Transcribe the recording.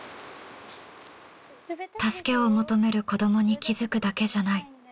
助けを求める子どもに気づくだけじゃない。